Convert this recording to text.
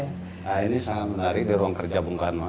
nah ini sangat menarik di ruang kerja bung karno